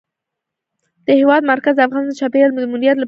د هېواد مرکز د افغانستان د چاپیریال د مدیریت لپاره مهم دي.